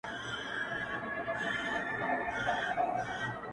هغه وايي يو درد مي د وزير پر مخ گنډلی-